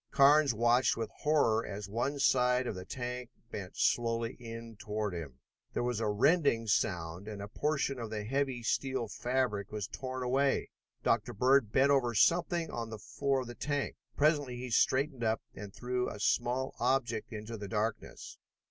Carnes watched with horror as one side of the tank bent slowly in toward him. There was a rending sound, and a portion of the heavy steel fabric was torn away. Dr. Bird bent over something on the floor of the tank. Presently he straightened up and threw a small object into the darkness.